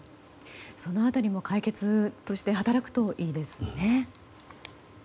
その辺りも解決として働くといいですけどね。